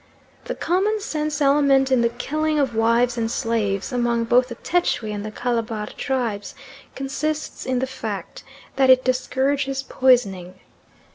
The common sense element in the killing of wives and slaves among both the Tschwi and the Calabar tribes consists in the fact that it discourages poisoning.